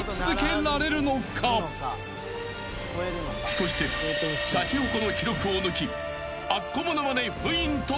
［そしてシャチホコの記録を抜き］